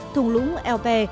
thùng lũng eo bè